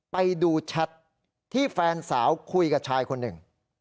ไปดูแชทที่แฟนสาวคุยกับชายคนหนึ่ง